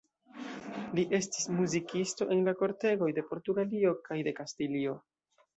Li estis muzikisto en la kortegoj de Portugalio kaj de Kastilio.